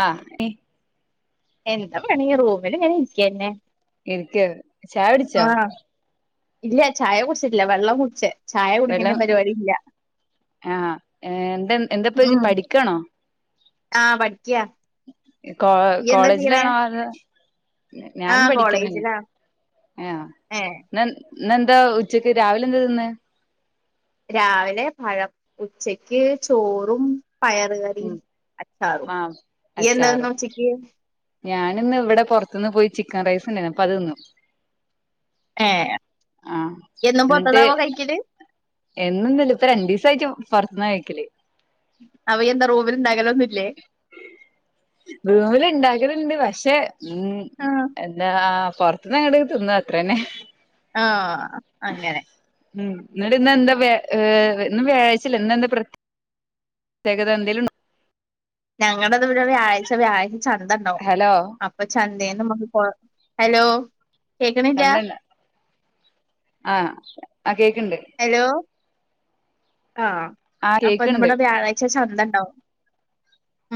ആ എന്താ വേണെങ്കി റൂമിലിങ്ങനെ ഇരിക്കന്നെ ഇരിക്ക് ചായ കുടിച്ചാ ആഹ് ഇല്ല ചായ കുടിച്ചിട്ടില്ല വെള്ളം കുടിച്ചേ ചായ കുടിക്കുന്ന വെള്ളം പരിപാടി ഇല്ല ആഹ് എന്ത് എന്തപ്പോ ഉം പഠിക്കാണോ ആഹ് പഠിക്കാ കോ കോളേജിലാണോ [inaudible] ഞാനും ആഹ് പഠിക്കണ തന്നെ കോളേജിലാ ആഹ് ഏഹ് എ ഇന്ന് എന്താ ഉച്ചക്ക് രാവിലെ എന്താ തിന്നേ രാവിലെ പഴം ഉച്ചക്ക് ചോറും പയറുകറി ഉം അച്ചാറും ആഹ് നീ എന്താതിന്നെ അച്ചാറും ഉച്ചക്ക് ഞാനിന്ന് ഇവിടെ പുറത്തുനിന്ന് പോയി ചിക്കൻ റൈസ് ഉണ്ടേയിരുന്നു അപ്പോ അത് തിന്നു ഏഹ് ആ എന്നും എന്നിട്ട് പൊറത്ത്ന്നാവോ കഴിക്കല് എന്നൊന്നില്ല ഇപ്പം രണ്ടു ദിവസ ആയിട്ട് പുറത്തുന്ന കഴിക്കല് അവ എന്താ റൂമില് ഉണ്ടാക്കലൊന്ന് ഇല്ലേ റൂമില് ഇണ്ടാക്കലണ്ട് പക്ഷെ മം ആഹ് എന്നാ പുറത്തുന്ന് അങ്ങോട്ടക്ക് തിന്നും അത്ര തന്നെ ആ അങ്ങനെ മം എന്നിട്ട് ഇന്ന് എന്താ വ്യ ഇന്ന് വ്യാഴാഴ്ച അല്ലെ ഇന്ന് എന്താ പ്രത്യ ത്യേകത എന്തേലും ഉണ്ടോ ഞങ്ങടെ ഇവിടെവിടെ ആഴ്ച വ്യാഴാഴ്ച ചന്ത ഉണ്ടാവും ഹലോ അപ്പൊ ച ഹലോ കേക്കണില്ല ആഹ് ആ കേക്കണ്ട് ആ ആ അപ്പൊ കേക്ക്ണ്ട് നമ്മടെ വ്യാഴാഴ്ച ചന്ത ഉണ്ടാവും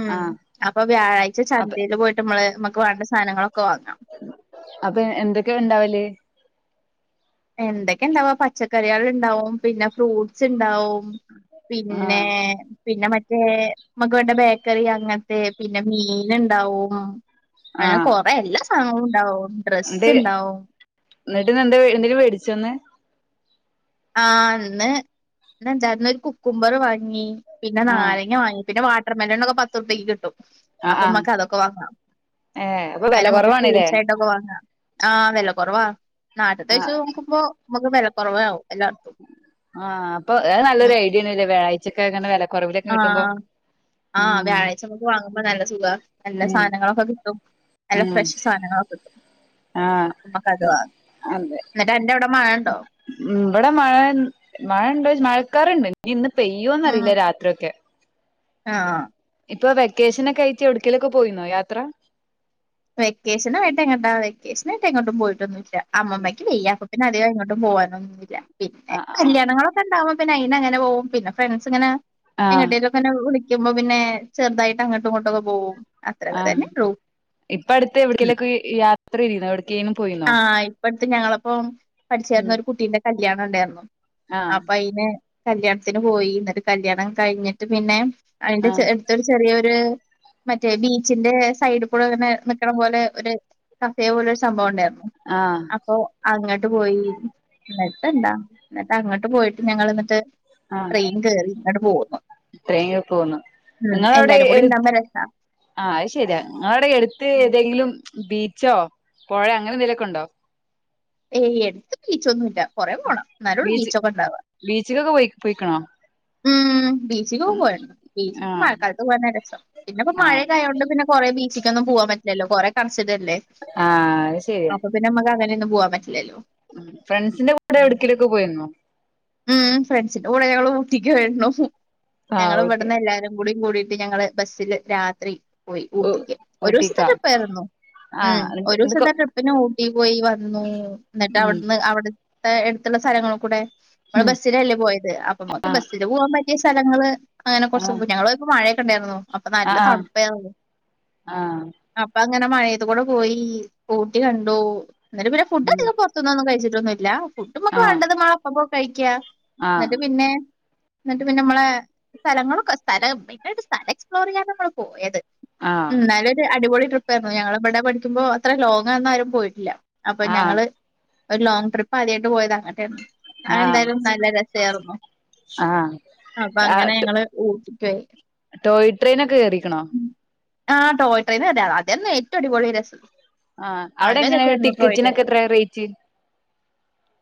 ഉം ആഹ് അപ്പൊ വ്യാഴാഴ്ച അപ്പ ചന്തയില് പോയിട്ട് നമ്മള് നമ്മുക്ക് വേണ്ട സാധനങ്ങളൊ അപ്പൊ എന്തൊക്കെയ ഉണ്ടാവല് എന്തൊക്കെ ഇണ്ടാവുവാ പച്ചക്കറികൾ ഉണ്ടാവും പിന്നെ ഫ്രൂട്ട്സ് ഉണ്ടാവും പിന്നെ ആഹ് പിന്നെ മറ്റേ റ്റേ ഞമ്മക്ക് വേണ്ടേ ബേക്കറി അങ്ങനത്തെ പിന്നെ മീൻ ഉണ്ടാവും അങ്ങനെ കൊറെ എല്ലാ സാധനങ്ങളും ഉണ്ടാവും ഡ്രസ്സ് എന്തേ ഉണ്ടാവും എന്നട്ട് ഇന്ന് എന്തേ എന്തേലും മേടിച്ചോ ഇന്ന് ആ ഇന്ന് കുക്കുമ്പറ് വാങ്ങി പിന്നെ ആഹ് നാരങ്ങ വാങ്ങി പിന്നെ വാട്ടർമെലണോക്കെ പത്തുറപക്ക് കിട്ടും ആഹ് അപ്പൊ ആഹ് നമ്മക്ക് അതൊക്കെ വാങ്ങാം ഏഹ് അപ്പൊ വെല അയിനെ നമുക്ക് കൊറവാണ്ല്ലേ ഫ്രൂട്ട്സ് ആയിട്ടൊക്കെ വാങ്ങാം ആ വിലക്കൊറവാ നാട്ടിത്തെ ആഹ് വച്ചുനോക്കുമ്പോ നമുക്ക് വിലക്കുറവാകും ആ അപ്പൊ അത് നല്ലൊരു ഐഡിയയാണല്ലേ വ്യാഴ്ചയൊക്കെ ഇങ്ങനെ വില ആ ആ വ്യാഴാഴ്ച നമുക്ക് വാങ്ങുമ്പോ നല്ല സുഖവാ നല്ല ഉം സാധനങ്ങളൊക്കെ കിട്ടും നല്ല ഉം ഫ്രഷ് സാധനങ്ങളൊക്കെ കിട്ടും ആഹ് അപ്പോ നമ്മക്ക് അത് വാങ്ങാം അന്നിട്ട് അൻ്റെ അവിടെ മഴണ്ടോ മം ഇവിടെ മഴ മഴ ഇണ്ട് മഴക്കാറണ്ട് ഇനി ഇന്ന് പെയ്യോന്ന് അറിയില്ല രാത്രിയൊക്കെ ആ ഇപ്പൊ വെക്കേഷനൊക്കെ ആയിട്ട് ഇവിടേക്കേലൊക്കെ പോയിന്നോ യാത്ര വെക്കേഷനായിട്ട് എങ്ങട്ടാ വെക്കേഷനായിട്ട് എങ്ങോട്ടും പോയിട്ടൊന്നില്ല അമ്മമ്മക്ക് വയ്യ അപ്പം പിന്നെ അധികം എങ്ങോട്ടും ട്ടും പോവാനൊന്നുവില്ല പിന്നെ ആ ആ കല്യാണങ്ങളൊക്കെ ഉണ്ടാവുമ്പോ പിന്നെ അയിന് അങ്ങനെ പോകും പിന്നെ ഫ്രണ്ട്സ് ഇങ്ങനെ ആ എങ്ങട്ടേലുമൊക്കെ എന്നെ വിളിക്കുമ്പോ പിന്നെ ചെറുതായിട്ട് അങ്ങട്ടും ഇങ്ങട്ടുമൊക്കെ പോകും അത്രെ പറയാനേള്ളൂ ഇപ്പം അടുത്ത് എവിടെക്കെലൊക്കെ യാത്ര ആയിന്നോ എവിടക്കേലും പോയിന്നോ അടുത്ത് ഞങ്ങളൊപ്പം പഠിച്ചേരുന്ന ഉം ഒരു കുട്ടീന്റെ കല്യാണം ഉണ്ടായിരുന്നു ആ അപ്പൊ അയിന് കല്യാണത്തിന് പോയി എന്നിട്ട് കല്യാണം കഴിഞ്ഞിട്ട് പിന്നെ ആ അതിന്റെ അടുത്തൊരു ചെറിയൊരു മറ്റോ ബീച്ച് സൈഡ് ഇവിടെ ഇങ്ങനെ നികുന്ന പോലെ ഒരു കഫേ പോലെ ഒരു സംഭവം ഉണ്ടായിരുന്നു. ആ അപ്പോ അങ്ങട്ട പോയി എന്നിട്ട് എണ്ടാ എന്നിട്ട് അങ്ങോട്ട് പോയിട്ട് ഞങ്ങൾ എന്നിട്ട് ട്രെയിൻ കേറി ഇങ്ങോട്ട് പോന്നു. ട്രെയിൻ ൽ പോന്നു ഉം നിങ്ങളവിടെ എല്ലാരും കൂടി ഉണ്ടാവുമ്പോ രസാ ആ അത് ശരിയാ നിവിടെ എടുത്ത് ഏതെങ്കിലും ബീച്ചോ പുഴയ അങ്ങനെ എന്തെങ്കലുമൊക്കെ ഉണ്ടോ? ഏയ് എടുത്ത് പിച്ചൊന്നും ഇല്ല കുറെ പോണം എന്നാലോളു ബീച്ച് ബീച്ചൊക്കെ ഉണ്ടവാ ബീച്ചിക്കൊക്കെ പോയി പോയിക്കണോ ഉ ബീച്ചി പോണ്ട് ആ ബീച്ചിക്ക് മഴക്കാലത്ത് പോകന രസം പിന്നെ ഇ ആ മഴ കയത്ണ്ട് പിന്നെ കൊ ബീച്ചക്ക്ന്നും പോ ആ അത് ശരിയാ [unintelligible] അപ്പൊ പിന്നെ നമുക്ക് അങ്ങനെ. ഫ്രണ്ട്സിന്റെ കൂടെ എവിടക്കലൊക്കെ പോയിന്നോ ഉം ഫ്രണ്ട്സിന്റെ കൂടെ ഞങ്ങള് ഊട്ടിക്ക് പോയിരുന്നു. ആഹ് ഞങ്ങൾ ഊട്ടി ഇവിടുന്ന് എല്ലാരും. കൂ കൂടിട്ട് ഞങ്ങള് ബസ്സില് രാത്രി പോയി. ഊ ഊട്ടിക്ക ഒരു ദിവസത്തെ ഊട്ടിക്കാ ട്രിപ്പ ആായിരുന്നു. ഉം ആഹ് എന്ത് ഒരു എന്തൊക്കെ ദിവസത്തൊ ട്രിപ്പിന് ഊട്ടി പോയി വന്നു. എന്നിട്ട് ഉം അവിടുന്ന് അവിട എടുത്തുള്ള സ്ഥലങ്ങളൾ കൂടെ നമ്മള് ഉം ബസ്സിലല്ലേ പോയത്. അപ്പൊ നമുക്ക് ആഹ് ബസ്സില് പോകൻ പറ്റിയ സ്ഥലങ്ങള്. അങ്ങനെ കുറച്ച ആഹ് ഞങ്ങള് പോപ്പോ മഴയൊക്കെ ഉണ്ടായിരുന്നു. അപ്പൊ നല്ല ആഹ് തണുപ്പയിനു ആഹ് അപ്പ അങ്ങനെ മഴയത് കൂടെ പോയി ഊട്ടി കണ്ടു എന്നിട്ട്. പിന്നെ ഫുഡ് ഉം അധികം പുറത്തനിന്നൊന്നും കഴിച്ചില്ല. ഇല ഫുഡുംനമക്ക് ആഹ് വേണ്ടത്. നമള് അപ്പപ്പോ കഴിക്കാ ആഹ് എന്നിട്ട് പിന്നെ എന്നിട്ട് പിന്നെ നമ്മളെ സ്ഥലങ്ങളൊക്കെ സ്ഥലട്ട് സ്ഥലം എക്സ്പ്ലോർ ചെയ്യാ നമ്മള് പോയത്. ആഹ് ഉം നല്ലൊരു അടിപൊളി ട്രിപ്പ എന്നാൽ ഇനല് ഒരു അടിപൊളി ട്രിപ്പ് ആയിരുന്നു. ഞങ്ങൾ ഇവിടെ പഠിക്കുമ്പോ അത്ര ലോങ്ന്ന ആും പോയിട്ടില്ല. അപ്പൊ ആഹ് ഞങ്ങള് ഒരു ലോങ്ങ് ട്രിപ്പ് ആദ്യമായിട്ട് പോയത് അങ്ങട്ടെയരുന്നു. ആഹ് അെന്തായാലും നല്ല രസയരുന്നു. ആഹ് അപ്പൊ ആഹ് അങ്ങനെ ടോ ഞങ്ങള് ഊട്ടിയിക് പോയി ടോയ് ട്രെയിന ഒക്കെ കേയറിക്കണോ? ആഹ ടോയ് ട്രെയിൻ ആരുന്നു അതന്നെ ഏറ്റവും അടിപൊളി രസം ആ അവിടെ നല്ല എങ്ങനെയ രസായിരുന്നു ടിക്കറ്റിനൊക്കെ എത്രയാ റേറ്റ്.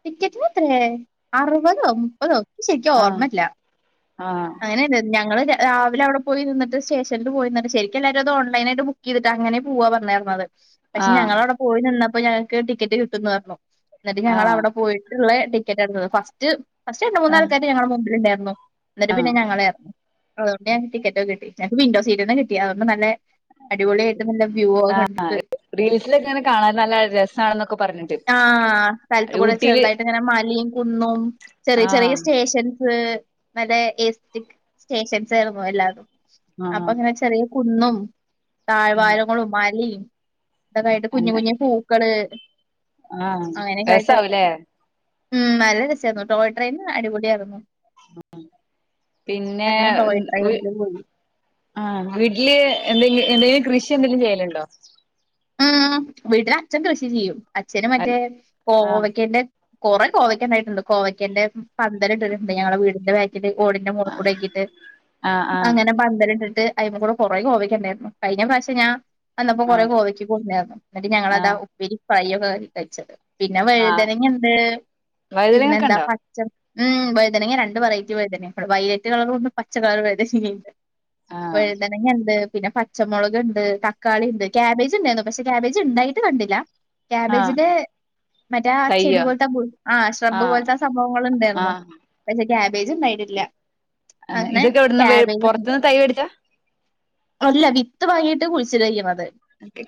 ടിക്കറ്റ് ത്രേ ആറപത് മുപ്പതോ ശരിക്കും ആഹ് ഓർമ്മല്ല ആഹ് അങ്ങനെന്ത ഞങ്ങള് രാവിലെ അവിടെ പോയി നിന്നട്ട് സ്റ്റേഷനിൽ പോയിന്നട്ട് ശരിക്കല്ലാവുംത്. ഓൺലൈനായിട്ട് ബുക്ക് ചെയ്തിട്ട് അങ്ങെ പോവാ പറഞ്ഞ തരത്. പക്ഷെ ആഹ് ഞങ്ങള അവിടെ പോയി നിന്നപ്പോ ഞങ്ങക്ക് ടിക്കറ്റ് കിട്ടുംന്ന് പറഞ്ഞു. എന്നിട്ട് ഞങ്ങ ആഹ് അവിടെ പോയി ളെ ടിക്കറ്റ് എടുന്നത്. ഫസ്റ്റ് ഫസ്റ്റ് എണ്ട് ആഹ് മൂന്നാൾക്കാർ ഞങ്ങ മുമ്പിൽ ഉണ്ടായിരുന്നു. എന്നിട്ട് പിന്നെ ആഹ് ഞങ്ങളെ ഇറരുന്നു അതുകൊണ്ട്ഞക്ക് ടിക്കറ്റ് കിട്ടി. നിക്ക് വിൻഡോ സീറ്റന്ന കിട്ടി അതുകൊണ്ട്. നല്ല അടിപൊളിയായിട്ട് നല്ല വ്യൂ കണ്ടിട്ട്. റീൽസിലൊക്കെ ഇങ്ങനെ കാണാൻ നല്ല രസാണെന്നൊക്കെ പറഞ്ഞിട്ട് ആ സ്ഥലത് കൂടെ ഊട്ടിയില് ചെറുതായിട്ട് ഇങ്ങനെ മലയും കുന്നും ചെറിയ ചെറിയ ആഹ് സ്റ്റേഷൻ. സ് നല്ല സ്റ്റേഷൻസ് ആയിരുന്നു എല്ലാവരും അപ്പൊ ആഹ് അങ്ങനെ വചല് കുന്നും ഉം താഴ്വാവാരങ്ങളും മലയും അതതായിട്ട് കുഞ്ഞു കുഞ്ഞു പൂക്കള്. ആഹ അങ്ങനെയൊക്കെ ആയിട്ട് രസാവലേ? ഉം നല്ല രസായിരുന്നു. ടോയ് ട്രെയിൻ അടിപൊളിയ ആയിരുന്നു. പിന്നെ അങ്ങനെ ടോയ് വ് ട്രെയിനില് പോയി ആഹ വീട്ടില് എന്തെ എന്തെങ്കിലും കൃഷി എന്തെങ്കിലും ചെയ്യലുണ്ടോ? ഉ വീട്ടില് അച്ഛൻ കൃഷി ചെയ്യും. അച്ഛന് ആഹ് മറ്റേ ആഹ് കോവക്കേന്റെ കുറെ കോവയ്ക്കൻണ്ടായിട്ടുണ്ട്. കോവയ്ക്കന്റെ പന്തലിട്ടരുണ്ട് ഞങ്ങളെ വീടിന്റെ ഭകി ഓടിന്റെ മള് കൂടെ ഒക്കിയിട്ട് ആഹ് അങ്ങനെ പന്തൽ ഇട്ടിട്ട്. അതി കൂടെ കുറെ കോവിക്കണ്ടായിരുന്നു. കഴിഞ്ഞ പ്രാവശ്യം ഞാൻ വന്നപ്പോ കുറേ ആഹ് കോവിക്കും. എന്നിട്ട് ഞങ്ങളതാ ആഹ് ഉപ്പിരി ഫ്രൈ ഒക്കെ കഴിച്ചത്. പിന്നെ ആഹ് വഴുതനങ്ങ ഇട് പിന്നെ വഴുതനങ്ങൊക്കെ എന്താ ഉണ്ടോ? പച്ച ഉം വൈദനങ്ങ രണ്ട് വെറൈറ്റി വൈദന ഇടെ വലറ്റ് കളർ കൊണ്ട് പച്ച കളർ വേദനുണ്ട് ആഹ് വെഴുതനങ്ങ ഉണ്ട്, പിന്നെ പച്ചമുളക് ഉണ്ട്, തക്കാളി ഉണ്ട്, കാബേജ്, ഉണ്ടായി പക്ഷെ ക്യാബേജ് ഉണ്ടായിട്ട് കണ്ടില്ല. ആഹ് കാക്യാബേജിന്റെ മറ്റാ ചെടി തയ്യോ പോലത്തെ ആ ശ്രബ്ബു ആഹ് പോലത്തെ ആ സംഭവങ്ങൾ ഉണ്ടായിരുന്നു ആഹ് കാബേജുണ്ടായിട്ടില്ല ആ ഇതൊക്കെ എവിടന്ന് പുറത്തൂന്ന് തൈ മേടിച്ചാ? അല്ല വിത്ത് വാങ്ങീട്ട് കുഴി ച്ചിലഴക്കും അത്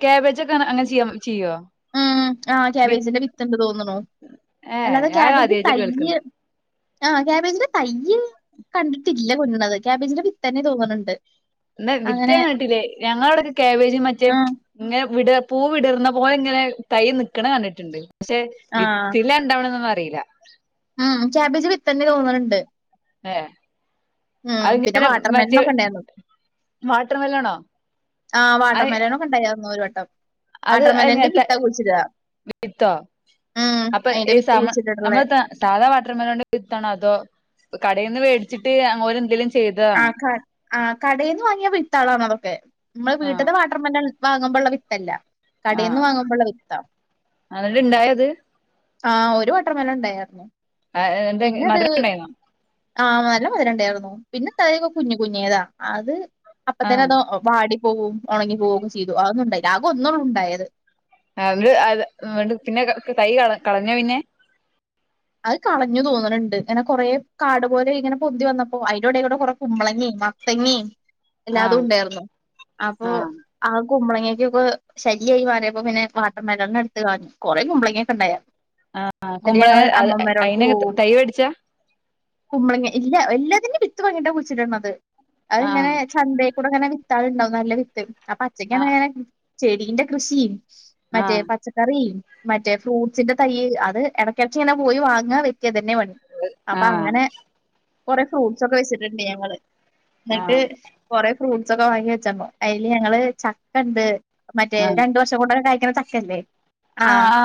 ക്യാബേജൊക്ക അങ്ങനെ ചെയ്യാ ചെയ്യുവോ? ഉ ആ കാക്യാബേജിന്റെ വിത്തുണ്ട് തോന്നണു ഏഹ് അല്ലാതെ ഞാൻ ക്യാബേജ് ആദ്യായിട്ടാ കേൾക്കണ് തയ്യ് ആ കാക്യാബേജിന്റെ തയ്യേ കണ്ടിട്ടില്ല കൊഞ്ഞണത് ക്യാബേജിന്റെ വിത്തന്നെ തോന്നുന്നുണ്ട് ഇട്ടത് എന്നാ വിത്ത് ഞാൻ കണ്ടിട്ടില്ലേ ഞങ്ങടവിടൊക്കെ ക്യാബേജും മറ്റേ ആ ഇങ്ങനെ വിട പൂ വിടർന്ന പോലിങ്ങനെ തൈ നിക്കണ കണ്ടിട്ടുണ്ട് പക്ഷെ ആ. വിത്തിലാ ഇണ്ടാവണെന്നെ ആരും പറ വെയില ആ ക്യാബേജ് വിത്തന്നെ തോന്നലുണ്ട് ഏ അയിങ്ങനെ വാട്ടർ മറ്റ് മെലനൊക്കെ ഉണ്ടായിരുന്നു. വാട്ടർമെലണോ ആ വാട്ടർ അയി മെലനൊക്കെ ഉണ്ടായിരുന്നു ഒരു വട്ടം. അത് വാട്ടർ മെലന്റെ എയ്ങ്ങത്തെ വിത്താ കുഴിച്ചിടുക. വിത്തോ ഉം. അപ്പം അതിന്റെ ഈ വിത്ത് സമ കുഴിച്ചിട്ടിട്ടുള്ളെ. സമത്തെ സാദാ വാട്ടർമെലന്റെ വിത്താണോ അതോ കടയീന്ന് മേടിച്ചിട്ട് അങ്ങോരെന്തെങ്കിലും ആ ക ആ കടേന്ന് വാങ്ങിയ വിത്താളന്നതൊക്കെ നമ്മള് ആഹ് വീട്ടത്തെ വാട്ടർ മെലൺ വാങ്ങുമ്പോളുള്ള വിത്തല്ല കടയീന്ന് ആഹ് വാങ്ങുമ്പോളുള്ള വിത്താ എന്നിട്ട് ഇണ്ടായത് ആ ഒരു വാട്ടർ മേലനുണ്ടായാരുന്നു. ആ എന്തേ [unintelligible] മധുരം ഉണ്ടായിന്നോ ആ നല്ല മധിരമുണ്ടായിരുന്നു പിന്നെ ഉണ്ടയേ കുഞ്ഞു കുഞ്ഞേതാ അത് അപ്പ തന്നെ ആഹ് അത് വാടി പോവും ഒണങ്ങി പോവുകൊക്കെ ചെയ്തു അതൊന്നും ഉണ്ടായില്ല. ആകെ ഒന്നോ ഉണ്ടായത്. അതു ആ പിന്നെ എന്ത് യി കളഞ്ഞു പിന്നെ അത് കളഞ്ഞു തോന്നണുണ് ഇങ്ങനെ കൊറേ കാടുപോലെ ഇങ്ങനെ പൊന്തി വന്നപ്പോ അതിന്റോടെ കുറെ കുമ്പളങേമ് മത്തങ്ങേമ് എല്ലാതും ആഹ് ഉണ്ടായിരുന്നു അപ്പൊ ആഹ് ആ കുമ്പളങ്ങൊക്കൊക്കെ ശല്യായി മാറിയപ്പ പിന്നെ വാട്ടർ മേലെനെ ടുത്ത് കളഞ്ഞു കൊറേകുമ്പളങ്ങൊക്കെ ഉണ്ടായാ ആ. ആ കുമ്പളങ്ങ അത് അയിനകത്തെ തൈ വേടിച്ചോ കുമ്പളങ്ങാ ഇല്ല എല്ലാത്തിന്നും വിത്ത് വാങ്ങിട്ട കുഴിച്ചിടണത് അതിങ്ങനെ ആഹ് ചന്തേക്കൂടങ്ങനെ താഴെണ്ടാവും നല്ല വിത്ത് അപ്പൊ ആഹ് അച്ചക്കാണങ്ങന ചെടീന്റെ കൃശീ. മറ്റേ ആഹ് പച്ചക്കറീം മറ്റേ ഫ്രൂട്ട്സിന്റെ തൈ അത് ഇടക്ക്ടക്ക്ച്ചിങ്ങനെ പോയി വാങ്ങാ വ എനിക്ക് അതതന്നെപണി അപ്പ ആഹ് അങ്ങനെ കൊറെ ഫ്രൂട്ട്സ് ഒക്കെ വെച്ചിട്ടുണ്ട് ഞങ്ങളെ എന്നിട്ട് കൊറെ ഫ്രൂട്ട്സൊക്കെ വാങ്ങി വെച്ചപ്പം. അയില് ഞങ്ങള് ചക്കേണ്ട്. മറ്റേ രണ്ടു വർഷം കൊണ്ടൊക്കെ കായിക്കണ ചക്കല്ലേ? ആ ആ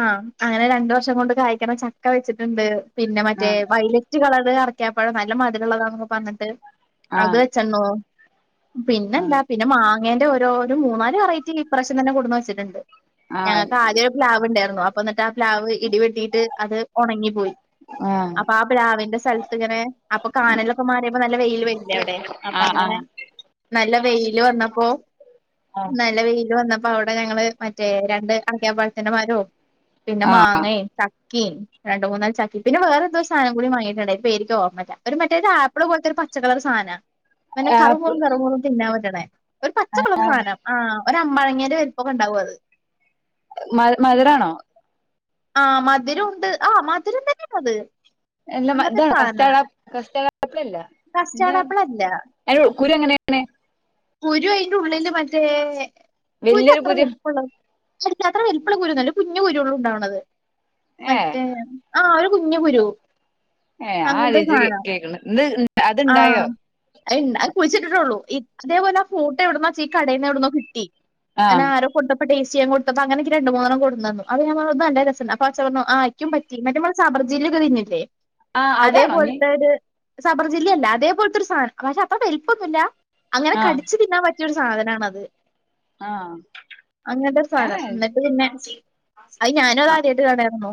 ആ അങ്ങനെ രണ്ടു വർഷം കൊണ്ട് കായ്ക്കണ ചക്ക വെച്ചിട്ടുണ്ട് പിന്നെ മറ്റേ ആഹ് വൈലറ്റ് കളർ ഇതെ അറക്കാപ്പഴം നല്ല മധുരമോള്ളതാണെന്നൊക്കെ പറഞ്ഞിട്ട് ആഹ് അത് ആഹ് വെച്ചെണ്ണോ പിന്നെന്താ പിന്നെ മാങ്ങേന്റെ ഓരോ ഒരു മൂന്നാല് വെറൈറ്റി ഇപ്രാവശ്യം തന്നെ കൊണ്ടന്ന് വെച്ചിട്ടുണ്ട് ആഹ് ആഹ് ഞങ്ങക്ക് ആദ്യം ഒരു പ്ലാവ് ഉണ്ടായിരുന്നു അപ്പ എന്നിട്ട് ആ പ്ലാവ് ഇടിവെട്ടിയിട്ട് അത് ഒണങ്ങി പ്പോയി ആ അപ്പാ പ്ലാവിന്റെ സ്ഥലത്ത് ഇങ്ങനെ അപ്പൊ കാനലൊക്കെ മാറിയപ്പോ നല്ല വെയില് വരില്ലേ അവിടെ അപ്പൊ ആഹ് ആഹ് അങ്ങനെ. നല്ല വെയില് വന്നപ്പോ ആഹ് നല്ല വെയില് വന്നപ്പോ. അപ്പം അവിടെ ഞങ്ങള് മറ്റേ രണ്ട് അ്ങ്ങ്യപ്പഴത്തിന്റെ മരോം പിന്നെ ആഹ് മാങ്ങയും ചക് കീം രണ്ടു മൂന്നാലു ചക്കി പിന്നെ വേ റെന്തോ ഒരു സാധനം കൂടി വാങ്ങിട്ടുണ്ട്. പേര് ക്കെനിക്കോർമ്മയില്ല. ഒരു മറ്റേതെ ആപ്പിളു പോലത്തെ ഒരു പച്ചക്കളറു സാധനാ നല്ല ആപ്പ് കറുമുറു കറുമുറു തിന്നാൻപറ്റണേഒരു പച്ചക്കളറെ സാധനം ആ ഒരമ്പഴങ്ങേന്റെ വലിപ്പൊക്കെ ഒ ണ്ടാവും അത്. മ മധുരാണോ ആ മധുരുണ്ട് ആ മധുരം തന്നെയാ അത് എന്താ അങ്ങനത്തെ സാധനം ഇതാണോ കസ്റ്റാർഡ് ആപ്പിൾ അല്ല [unintelligible] കുരു എങ്ങനെയാണ് കുരു അയിന്റെള്ളിലു മറ്റേ കുരു അത്ര വെലുപ്പമുള്ള അത്ര വെൽപ്പള്ള കുരുന്നല്ലേ ഒരു കുഞ്ഞ് കുരുള്ളു ഉണ്ടാവണത് ഏ മറ്റേ ആ ഒരു കുഞ്ഞു കുരു ഏ അ അങ്ങനത്തെ ആദ്യായിട്ടാ സാധനം കേക്ണ് ഇന്ന് ആ അത്ണ്ടായോ അത് കുഴിച്ചിട്ടിട്ടോുള്ളൂ അതേപോലെ ആ ഫ്രൂട്ട് എവിടുന്ന ചീ കടൽന്ന് എവിടന്നോ കിട്ടി ആ അന ആരോ കൊട്ടപ്പെട്ട കൊടുത്തപ്പോ അങ്ങനെ ഇക്ക് രണ്ട് മൂന്നണം കൊടുന്നെന്നു അപ്പോ ഞാൻ പറഞ്ഞു ഇത് നല്ല രസണ്ട് അ അച്ഛൻ പറഞ്ഞു ആ ഇക്കുപറ്റി ന്നട്ട് നമ്മൾ സബർജിൽ ങ്ങൾ വരുന്നില്ല ആ അതാണോ നീ അതേപോലത്തെ ഒരു സബർജില്ലല്ല അതേപോലത്തെരു സാധനം പക്ഷെ അത്ര വലിപ്പന്നുല്ല അങ്ങനെ ആ കടിച്ച് തിന്നാൻ പറ്റിയരു സാധനണത് ആ അങ്ങനത്തെരു ഏ സാനം എന്നിട്ട് പിന്നെ അത് ഞാനൊത് ആദ്യയിട്ട് കാണായിരുന്നു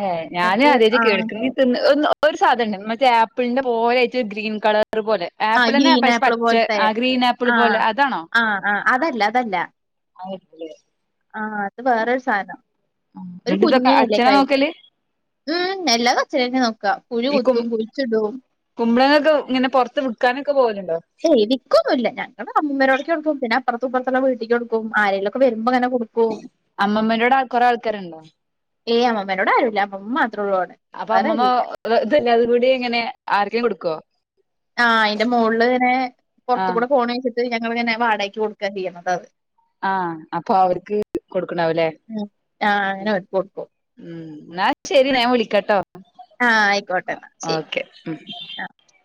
ഏ ഞാനൻ എന്നിട്ട് ആദ്യായിട്ട് ആ കേൾക്കുന്നന്ന് ഒ ഒരു സാധനം ഉണ്ട് മറ്റേ ആപ്പിളിന്റെ പോലെ ആയിട്ട് ഒരു ഗ്രീൻ കളർ അപോലെ ആ ആപ്പിൾന്നെ ഗ്രീൻ ആപ്പിൾ പച്ച പോലത്തെ ആ ഗ്രീൻ ആപ്പിൾ ആ പോലെ അതാണോ ആ ആ അതല്ല അതല്ല [unintelligible] ആ അത് വേറരു സാധനം ഒരു എന്നിട്ട് ഇതൊക്കെ കുഞ്ഞലേക്ക അച്ഛനാ ആായിട്ട് നോക്കല് ഉം നെല്ല കച്ചരിെ നോക്കാ പുഴി ഈ കും കൊത്തും കുഴിച്ചിട കുമ്പളങ്ങൊക്കെ ഇങ്ങനെ പുറത്ത് വിക്കാനൊക്ക പോലുണ്ട് ഏ വിക്കൊന്നുല്ല ഞങ്ങള് അമ്മമാരോടക്ക കൊടു പിന്നെ അപ്പുറത്തപ്പുറത്തുള്ള വീട്ടിക്ക് കൊടുക്കും ആരങ്കലുംക്കെ വരുമ്പോ അങ്ങനെ കൊടുക്കും അമ്മമ്മറോട് കൊറെ ആൾക്കാരുണ്ടോ ഏ അമാനോട് ആരൂല്ല അ അമ്മ അപ്പൊ അമ്മമ്മ ഇതല്ലത കൂടി എങ്ങനെ ആർക്കേ കൊടുക്കുവോ ആ അതിന്റെ മുകളില് ഇങ്ങനെ പുറത്ത ആഹ് കൂടെ കോണിവെച്ചിട്ട് ഞങ്ങൾ ഇങ്ങനെ വാടകക്ക്കൊടുക്കാ ചെയ്യണത് അത് ആ അപ്പൊ അവർക്ക് കൊടുക്കണാവൂല്ലേ ഉം ആഹ് അങ്ങനെ കൊടുക്കും ഉ ന്നാ ശരി ഞാൻ വിളിക്കട്ടോ ആഹ് ആയിക്കോട്ടെ എന്നാ ശരി ഓക്കെ ആ ഉ